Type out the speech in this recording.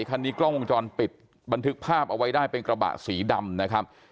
คันนี้กล้องวงจรปิดบันทึกภาพเอาไว้ได้เป็นกระบะสีดำนะครับ